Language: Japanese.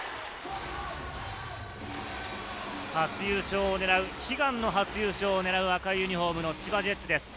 初優勝を狙う、悲願の初優勝を狙う赤いユニホームの千葉ジェッツです。